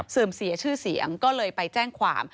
เสียชื่อเสียงก็เลยไปแจ้งความ